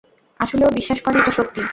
আসলে, ও বিশ্বাস করে এটা সত্যি।